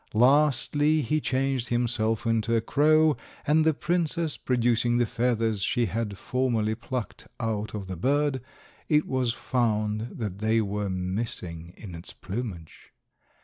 Lastly he changed himself into a crow, and the princess producing the feathers she had formerly plucked out of the bird, it was found that they were missing in its plumage.